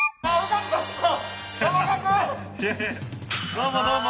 どうもどうも。